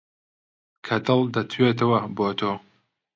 کە دڵ دەتوێتەوە بۆ تۆ